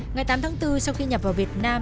ngày tám tháng bốn sau khi nhập vào việt nam